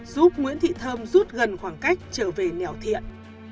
giúp nguyễn thị thơm rút gần khoảng cách trở về nẻo thiện